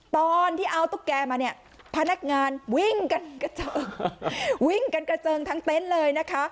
ตอนที่เอาตุ๊กแกมาเนี่ยพนักงานวิ่งกันกระเจิงวิ่งกันกระเจิงทั้งเต็นต์เลยนะคะ